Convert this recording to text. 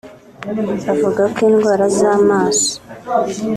bavuga ko indwara z’amaso